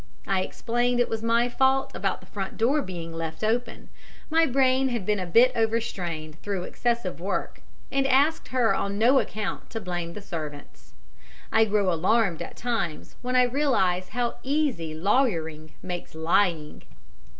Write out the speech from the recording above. I explained it was my fault about the front door being left open my brain had been a bit overstrained through excessive work and asked her on no account to blame the servants. I grow alarmed at times when I realize how easy lawyering makes lying.